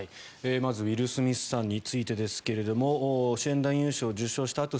まずウィル・スミスさんについてですけれども主演男優賞受賞した